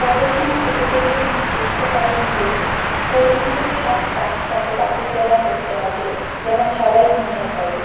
গবেষণা করতে গিয়ে তিনি বুঝতে পারেন যে, পরিমাপের সব কাজ তাকে রাতের বেলা করতে হবে, যখন সবাই ঘুমিয়ে পড়ে।